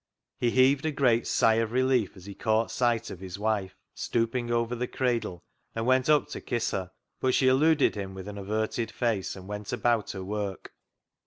He heaved a great sigh of relief as he caught sight of his wife stooping over the cradle, and went up to kiss her, but she eluded him with an averted face, and went about her work.